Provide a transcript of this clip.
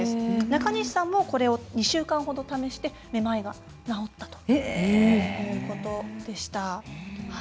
中西さんもこれを２週間程試してめまいが治ったということなんです。